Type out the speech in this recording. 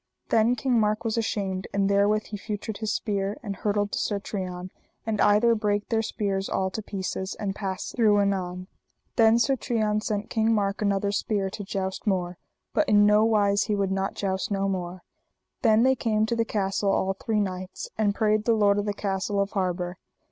Then King Mark was ashamed, and therewith he feutred his spear, and hurtled to Sir Trian, and either brake their spears all to pieces, and passed through anon. Then Sir Trian sent King Mark another spear to joust more; but in no wise he would not joust no more. Then they came to the castle all three knights, and prayed the lord of the castle of harbour.